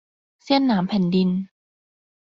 เสี้ยนหนามแผ่นดิน